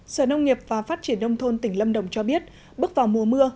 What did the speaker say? sở nông nghiệp và phát triển nông thôn tỉnh lâm đồng cho biết bước vào mùa mưa